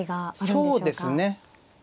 そうですね。